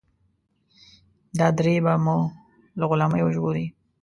دا درې به مو له غلامۍ وژغوري.